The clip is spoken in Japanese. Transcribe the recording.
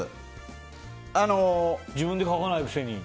自分で書かないくせに。